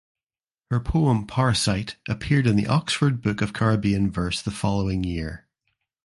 Her poem "Parasite" appeared in the "Oxford Book of Caribbean Verse" the following year.